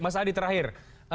mas adi terakhir